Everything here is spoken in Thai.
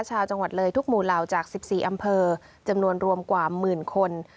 ชาวจังหวัดเลยทุกหมู่เหล่าจาก๑๔อำเภอจำนวนรวมกว่าหมื่นคน